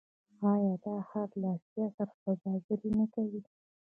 آیا دا ښار له اسیا سره سوداګري نه کوي؟